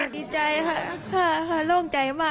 ดีใจค่ะโล่งใจมาก